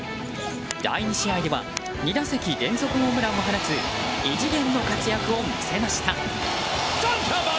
第２試合では２打席連続ホームランを放つ異次元の活躍を見せました。